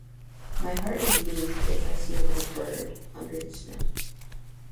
My heart is moved if I see a little bird under the snow.